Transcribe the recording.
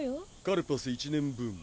カルパス１年分。